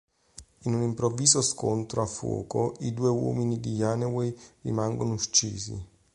In un improvviso scontro a fuoco i due uomini di Janeway rimangono uccisi.